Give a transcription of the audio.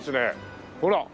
ほら。